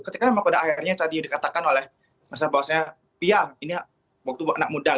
ketika pada akhirnya tadi dikatakan oleh bahwasanya pia ini waktu anak muda